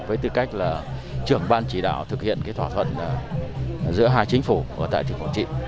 với tư cách là trưởng ban chỉ đạo thực hiện thỏa thuận giữa hai chính phủ ở tại tỉnh quảng trị